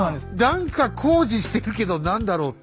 何か工事してるけど何だろうって。